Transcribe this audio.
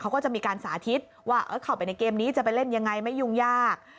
เขาก็จะมีการสาธิตว่าเข้าไปในเกมนี้จะไปเล่นยังไงไม่ยุ่งยาก